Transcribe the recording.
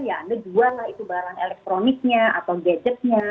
ya anda jual lah itu barang elektroniknya atau gadgetnya